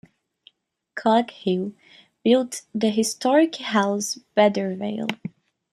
Coghill built the historic house Bedervale.